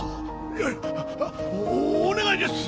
いやお願いです！